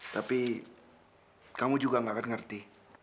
tapi kamu juga gak akan ngerti